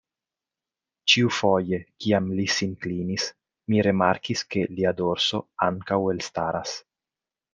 Ĉiufoje kiam li sin klinis, mi rimarkis, ke lia dorso ankaŭ elstaras.